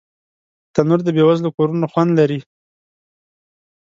تنور د بې وزلو کورونو خوند لري